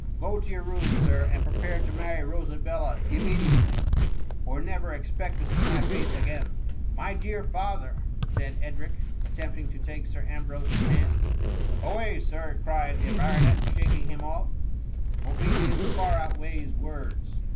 Go to your room. Sir, and prepare to. marry Rosabella immediately, or never expect to see my face again.'' "My dear father T said Edric, attempting to take Sir Ambrose's hand« *84 THE MUMMY. " Away, Sir T cried the baronet, shaking him off; obedience far outweighs words.